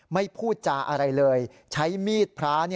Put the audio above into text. พูดจาอะไรเลยใช้มีดพระ